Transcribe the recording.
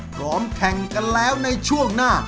พร้อมแข่งกันแล้วในช่วงหน้า